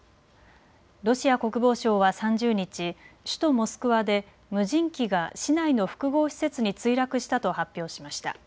ロシア国防省は３０日、首都モスクワで無人機が市内の複合施設に墜落したと発表しました。